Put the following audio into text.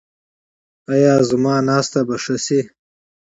ایا زما ناسته به ښه شي؟